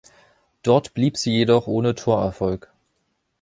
Dort blieb sie jedoch ohne Torerfolg.